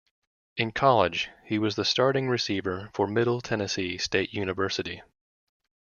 In college, he was the starting receiver for Middle Tennessee State University.